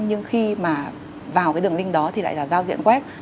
nhưng khi mà vào cái đường link đó thì lại là giao diện web